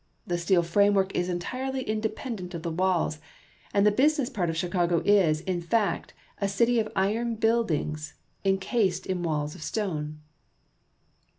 The steel framework is entirely inde pendent of the walls, and the business part of Chicago is, in fact, a city of iron buildings incased in walls of stone.